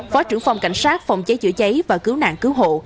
phó trưởng phòng cảnh sát phòng cháy chữa cháy và cứu nạn cứu hộ